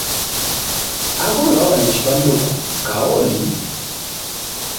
Agole hauandisha bandu kaoli.